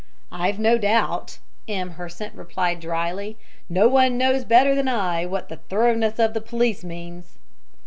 "I've no doubt," M. Hersant replied drily. "No one knows better than I what the thoroughness of the police means."